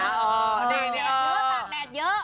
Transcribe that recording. เด็กหัวสระแบดเยอะ